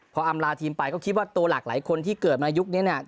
พออำลาทีมไปก็คิดว่าตัวหลากหลายคนที่เกิดมายุคนี้เนี่ย